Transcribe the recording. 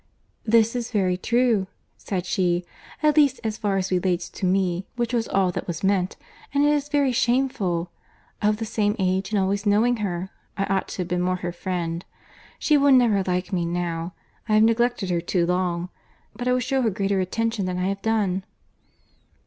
"This is very true," said she, "at least as far as relates to me, which was all that was meant—and it is very shameful.—Of the same age—and always knowing her—I ought to have been more her friend.—She will never like me now. I have neglected her too long. But I will shew her greater attention than I have done."